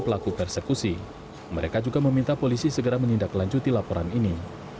pelaku persekusi mereka juga meminta polisi segera menindaklanjuti laporan ini